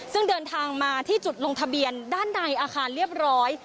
ซึ่งเดินทางมาที่จุดลงทะเบียนด้านในอาคารเรียบร้อย